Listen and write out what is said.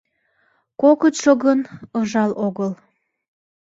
Кокытшо гын, ыжал огыл